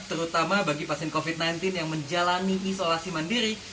terutama bagi pasien covid sembilan belas yang menjalani isolasi mandiri